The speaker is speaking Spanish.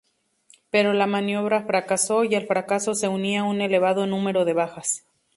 Pero la maniobra fracasó y al fracaso se unía un elevado número de bajas.